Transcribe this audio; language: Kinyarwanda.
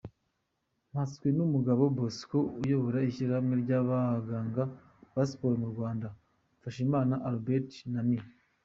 Mpatswenumugabo Bosco uyobora Ishyirahamwe ry’abaganga ba siporo mu Rwanda, Mfashimana Adalbert na Me.